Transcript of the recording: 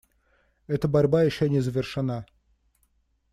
Эта борьба еще не завершена.